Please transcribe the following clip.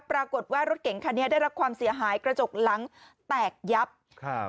ปรากฏว่ารถเก่งคันนี้ได้รับความเสียหายกระจกหลังแตกยับครับ